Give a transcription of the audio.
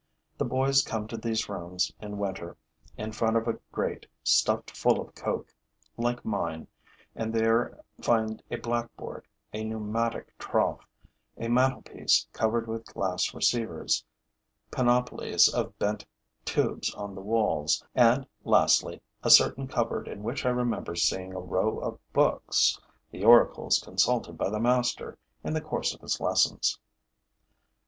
The boys come to these rooms in winter, in front of a grate stuffed full of coke, like mine, and there find a blackboard, a pneumatic trough, a mantelpiece covered with glass receivers, panoplies of bent tubes on the walls, and, lastly, a certain cupboard in which I remember seeing a row of books, the oracles consulted by the master in the course of his lessons.